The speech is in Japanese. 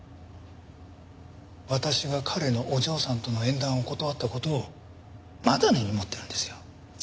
私が彼のお嬢さんとの縁談を断った事をまだ根に持ってるんですよ。